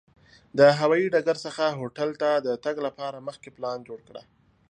د هوایي ډګر څخه هوټل ته د تګ لپاره مخکې پلان جوړ کړه.